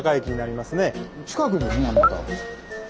近くですねまた。